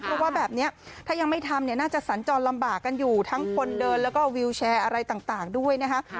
เพราะว่าแบบนี้ถ้ายังไม่ทำเนี่ยน่าจะสัญจรลำบากกันอยู่ทั้งคนเดินแล้วก็วิวแชร์อะไรต่างด้วยนะคะ